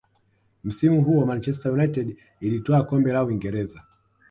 msimu huo manchester united ilitwaa kombe la uingereza